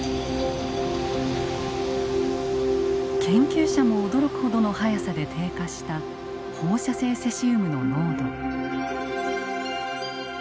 研究者も驚くほどの速さで低下した放射性セシウムの濃度。